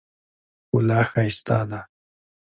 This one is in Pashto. ښکلا ښایسته ده.